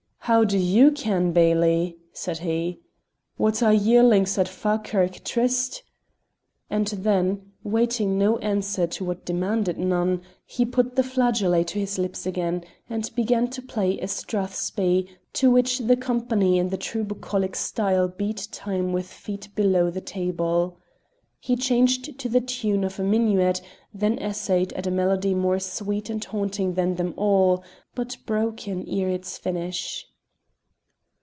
"How do you ken, Bailie?" said he; "what are yearlings at Fa'kirk Tryst?" And then, waiting no answer to what demanded none, he put the flageolet to his lips again and began to play a strathspey to which the company in the true bucolic style beat time with feet below the table. He changed to the tune of a minuet, then essayed at a melody more sweet and haunting than them all, but broken ere its finish.